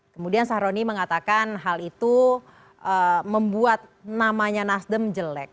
kemudian sahroni mengatakan hal itu membuat namanya nasdem jelek